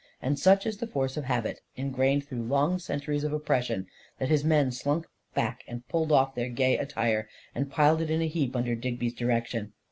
And such is the force of habit, in grained through long centuries of oppression, that his men slunk back and pulled off their gay attire and piled it in a heap under Digby's direction.